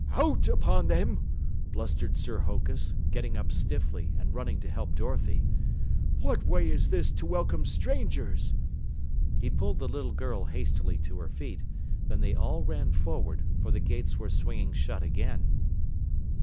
"Out upon them!" blustered Sir Hokus, getting up stiffly and running to help Dorothy. "What way is this to welcome strangers?" He pulled the little girl hastily to her feet, then they all ran forward, for the gates were swinging shut again.